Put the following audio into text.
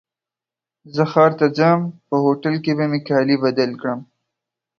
زه ښار ته ځم په هوټل کي به مي کالي بدل کړم.